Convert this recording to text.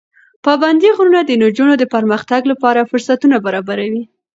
پابندي غرونه د نجونو د پرمختګ لپاره فرصتونه برابروي.